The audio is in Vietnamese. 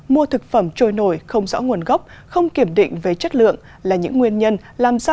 mua thực phẩm trôi nổi không rõ nguồn gốc không kiểm định về chất lượng là những nguyên nhân làm ra